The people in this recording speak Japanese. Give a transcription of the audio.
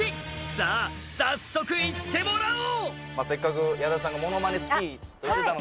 さあ早速行ってもらおう！